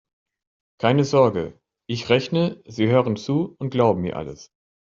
Keine Sorge: Ich rechne, Sie hören zu und glauben mir alles.